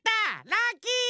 ラッキー！